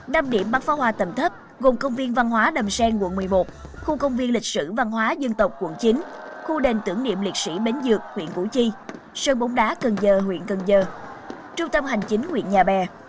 năm điểm bắn pháo hoa tầm thấp gồm công viên văn hóa đầm xen quận một mươi một khu công viên lịch sử văn hóa dân tộc quận chín khu đền tưởng niệm liệt sĩ bến dược huyện củ chi sơn bóng đá cần giờ huyện cần giờ trung tâm hành chính huyện nhà bè